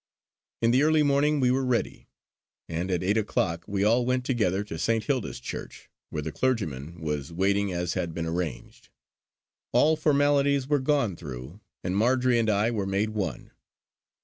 In the early morning we were ready; and at eight o'clock we all went together to St. Hilda's Church, where the clergyman was waiting as had been arranged. All formalities were gone through and Marjory and I were made one.